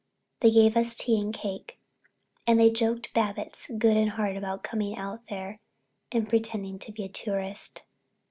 They gave us tea and cake and they joked Babbitts good and hard about coming out there and pretending to be a tourist.